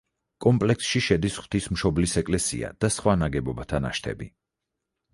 კომპლექსში შედის ღვთისმშობლის ეკლესია და სხვა ნაგებობათა ნაშთები.